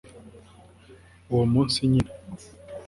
uwo munsi nyine